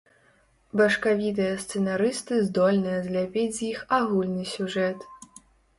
Башкавітыя сцэнарысты здольныя зляпіць з іх агульны сюжэт.